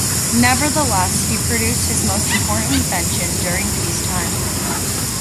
Nevertheless, he produced his most important invention during peace time.